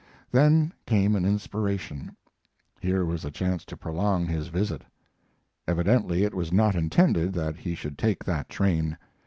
Then came an inspiration; here was a chance to prolong his visit. Evidently it was not intended that he should take that train.